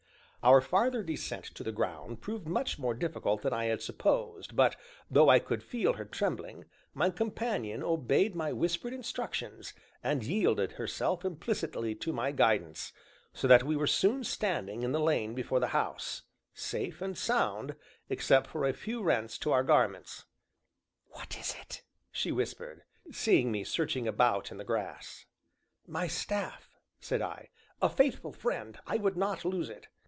Our farther descent to the ground proved much more difficult than I had supposed, but, though I could feel her trembling, my companion obeyed my whispered instructions, and yielded herself implicitly to my guidance, so that we were soon standing in the lane before the house, safe and sound except for a few rents to our garments. "What is it?" she whispered, seeing me searching about in the grass. "My staff," said I, "a faithful friend; I would not lose it."